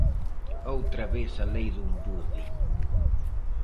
Outra vez a lei do embude.